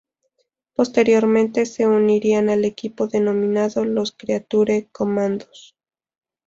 Posteriormente se uniría al equipo denominado los Creature Commandos.